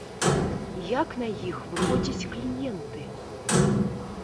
Як на іх выходзяць кліенты?